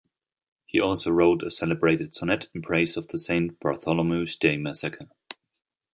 He also wrote a celebrated sonnet in praise of the Saint Bartholomew's Day Massacre.